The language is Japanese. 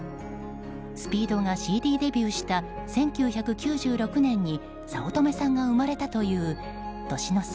ＳＰＥＥＤがＣＤデビューした１９９６年に早乙女さんが生まれたという年の差